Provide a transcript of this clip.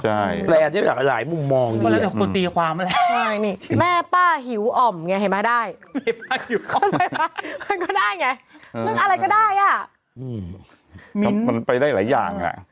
ใช่แปลที่หลายหลายหลายมุมมองอย่างงี้แล้วก็ตีความอะไรใช่นี่แม่ป้าหิวอ่อมเงี้ยเห็นไหมได้แม่ป้าหิวอ่อมเห็นไหมมันก็ได้ไงเรื่องอะไรก็ได้อ่ะมิ้นมันไปได้หลายอย่าง